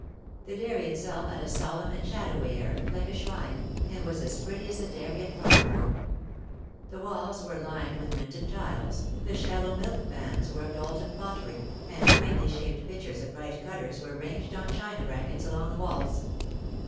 The dairy itself had a solemn and shadowy air, like a shrine, and was as pretty as the dairy at Frogmore. The walls were lined with Minton tiles, the shallow milk pans were of Doulton pottery, and quaintly shaped pitchers of bright colours were ranged on china brackets along the walls.